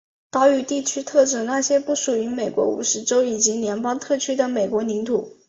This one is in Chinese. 岛屿地区特指那些其不属于美国五十州以及联邦特区的美国领土。